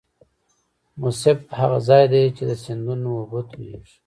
مصب هغه ځاي دې چې د سیندونو اوبه تویږي.